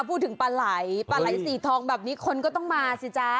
พูดถึงปลาไหล่ปลาไหลสีทองแบบนี้คนก็ต้องมาสิจ๊ะ